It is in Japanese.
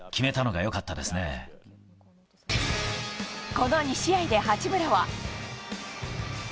この２試合で八村は。